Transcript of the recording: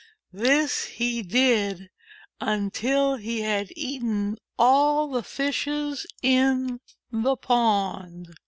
This he did until he had eaten all the Fishes in the pond.